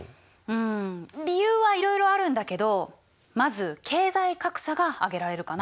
うん理由はいろいろあるんだけどまず経済格差が挙げられるかな。